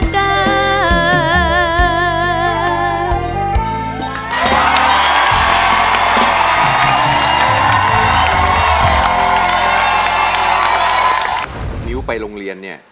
มิ้วไปโรงเรียนเนี่ย